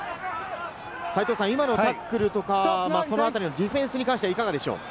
今のタックルとそのあたりのディフェンスに関してはいかがでしょう？